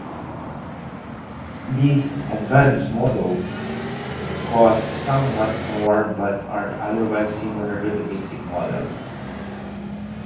These advanced models cost somewhat more but are otherwise similar to the basic models.